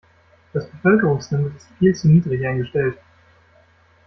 Das Bevölkerungslimit ist viel zu niedrig eingestellt.